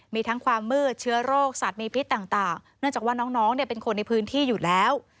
มีทั้งความมืดเชื้อโรคสัตว์มีพิษต่างเนื่องจากว่าน้องเป็นคนในพื้นที่อยู่แล้ว